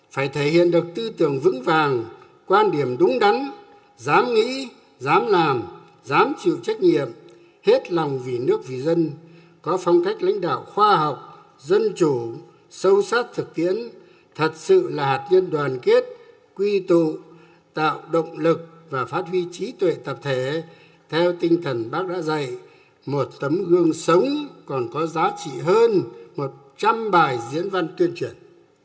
phải thể hiện được tư tưởng vững vàng quan điểm đúng đắn dám nghĩ dám làm dám chịu trách nhiệm hết lòng vì nước vì dân có phong cách lãnh đạo khoa học dân chủ sâu sát thực tiễn thật sự là hạt nhân đoàn kết quy tụ tạo động lực và phát huy trí tuệ tập thể theo tinh thần bác đã dạy một tấm gương sống còn có giá trị hơn một trăm linh bài diễn văn tuyên truyền